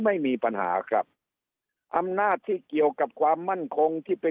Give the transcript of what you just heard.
ไม่มีปัญหาครับอำนาจที่เกี่ยวกับความมั่นคงที่เป็น